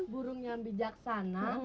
burung yang bijaksana